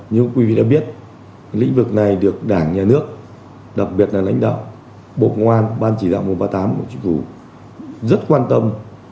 như quý vị đã biết lĩnh vực này được đảng nhà nước đặc biệt là lãnh đạo bộ ngoan ban chỉ đạo một trăm ba mươi tám của chính phủ rất quan tâm